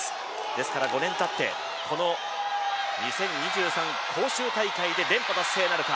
ですから、５年たってこの２０２３年、杭州大会で連覇達成なるか。